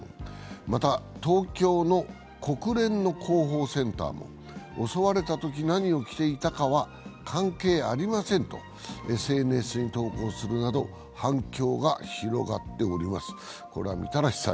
また東京の国連の広報センターも、襲われたとき何を着ていたかは関係ありませんとＳＮＳに投稿するなど反響が広がっております。